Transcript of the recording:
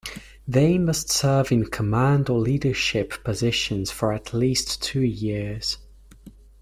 They must serve in command or leadership positions for at least two years.